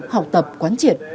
học tập quán triển